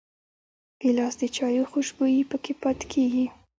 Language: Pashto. ګیلاس د چايو خوشبويي پکې پاتې کېږي.